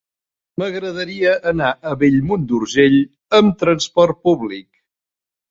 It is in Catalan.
M'agradaria anar a Bellmunt d'Urgell amb trasport públic.